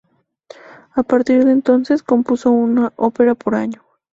A partir de entonces, compuso una ópera por año.